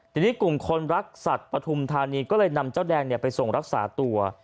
ทีนี้กลุ่มคนรักสัตว์ปฐุมธานีก็เลยนำเจ้าแดงไปส่งรักษาตัว